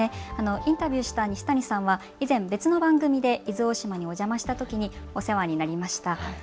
インタビューした西谷さんは以前、別の番組で伊豆大島にお邪魔したときにお世話になりました。